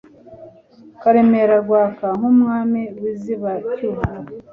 Karemera Rwaka nk'Umwami w'inzibacyuho